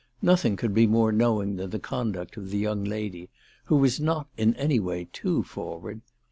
Nothing could be more knowing than the conduct of the young lady, who was not in any way too forward.